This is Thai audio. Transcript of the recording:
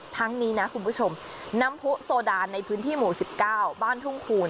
ทั้งนี้นะคุณผู้ชมน้ำผู้โซดาในพื้นที่หมู่๑๙บ้านทุ่งคูณ